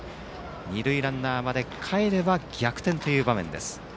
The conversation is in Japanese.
二塁ランナーまでかえれば逆転という場面です。